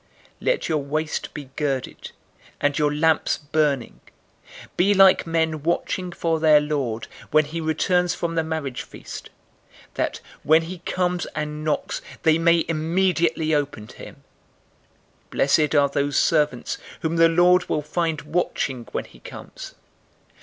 012:035 "Let your waist be girded and your lamps burning. 012:036 Be like men watching for their lord, when he returns from the marriage feast; that, when he comes and knocks, they may immediately open to him. 012:037 Blessed are those servants, whom the lord will find watching when he comes.